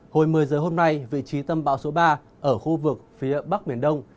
hồi một mươi giờ hôm nay vị trí tâm bão số ba ở khu vực phía bắc biển đông